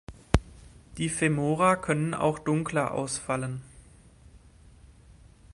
Die Femora können auch dunkler ausfallen.